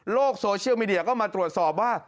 โซเชียลมีเดียก็มาตรวจสอบว่า